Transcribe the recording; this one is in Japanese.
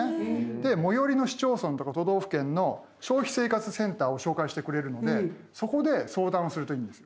で最寄りの市町村とか都道府県の消費生活センターを紹介してくれるのでそこで相談するといいんですよ。